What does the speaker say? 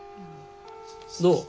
どう？